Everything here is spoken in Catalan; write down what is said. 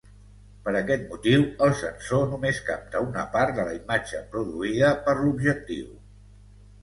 Per aquest motiu, el sensor només capta una part de la imatge produïda per l'objectiu.